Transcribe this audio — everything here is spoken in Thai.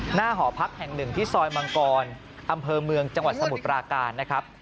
หอพักแห่งหนึ่งที่ซอยมังกรอำเภอเมืองจังหวัดสมุทรปราการนะครับ